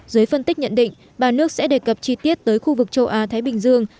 dưới phân tích nhận định ba nước sẽ đề cập chi tiết tới khu vực châu á thái bình dương